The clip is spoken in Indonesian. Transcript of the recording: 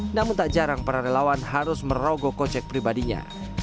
namun tak jarang para relawan harus merogoh kocek pribadinya